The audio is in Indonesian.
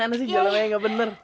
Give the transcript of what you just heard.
lu gimana sih jalanannya nggak bener